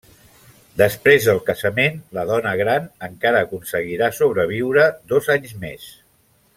Després del casament, la dona gran encara aconseguirà sobreviure dos anys més.